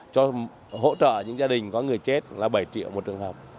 cho hỗ trợ những gia đình có người chết là bảy triệu một trường hợp